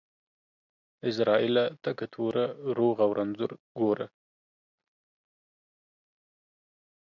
عزرائيله تکه توره ، روغ او رنځور گوره.